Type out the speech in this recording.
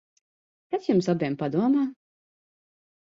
Kas jums abiem padomā?